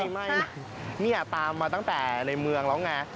ไม่นี่ตามมาตั้งแต่ในเมืองแล้วไง